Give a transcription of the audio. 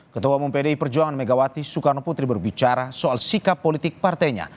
ketua umum pdi perjuangan megawati soekarno putri berbicara soal sikap politik partainya